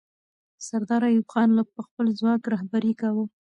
سردار ایوب خان به خپل ځواک رهبري کاوه.